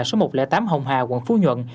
số một trăm linh tám hồng hà quận phú nhuận